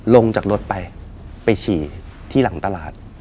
ลงจากรถไปไปฉี่ที่หลังตลาด